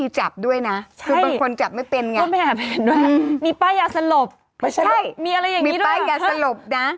ใช่มีป้ายอย่าสลบนะ